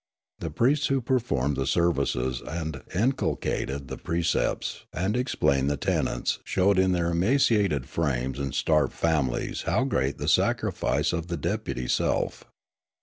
The priests who performed the services and inculcated the precepts and explained the tenets showed in their emaciated frames and starved families how great the sacrifice of the deputy self.